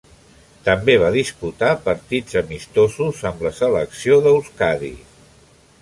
També va disputar partits amistosos amb la Selecció d'Euskadi.